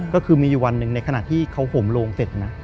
ก็คือมีอยู่วันหนึ่งในขณะที่เขาห่มโลงเสร็จนะ